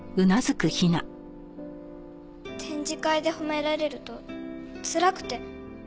展示会で褒められるとつらくて。